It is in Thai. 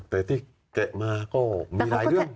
แต่ที่แกะมาก็มีหลายเรื่อง